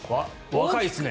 若いですね。